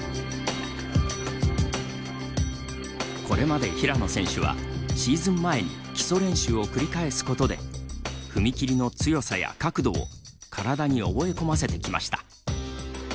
これまで平野選手はシーズン前に基礎練習を繰り返すことで踏み切りの強さや角度を体に覚え込ませてきました。